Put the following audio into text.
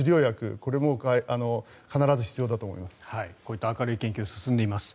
こういった明るい研究が進んでいます。